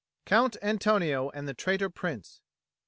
COUNT ANTONIO AND THE TRAITOR PRINCE.